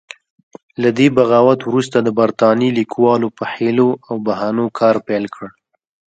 له دې بغاوت وروسته د برتانیې لیکوالو په حیلو او بهانو کار پیل کړ.